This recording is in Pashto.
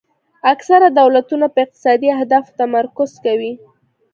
اکثره دولتونه په اقتصادي اهدافو تمرکز کوي